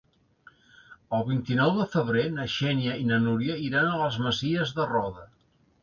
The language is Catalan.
El vint-i-nou de febrer na Xènia i na Núria iran a les Masies de Roda.